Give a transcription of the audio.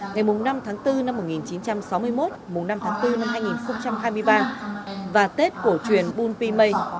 ngày năm tháng bốn năm một nghìn chín trăm sáu mươi một năm tháng bốn năm hai nghìn hai mươi ba và tết cổ truyền bun pi mây